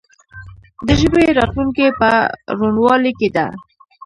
د ژبې راتلونکې په روڼوالي کې ده.